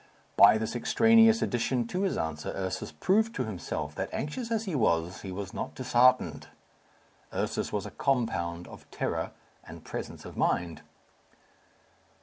By this extraneous addition to his answer Ursus proved to himself that, anxious as he was, he was not disheartened. Ursus was a compound of terror and presence of mind.